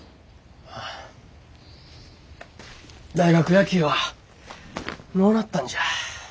ああ大学野球はのうなったんじゃ。